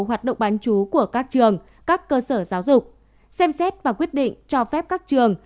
hoạt động bán chú của các trường các cơ sở giáo dục xem xét và quyết định cho phép các trường